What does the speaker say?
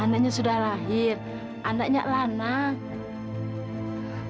anaknya sudah lahir anaknya lama